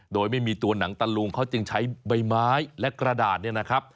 โดยไม่มีตัวหนังตะลุงเขาจึงใช้ใบไม้และกระดาษเนี่ยนะครับ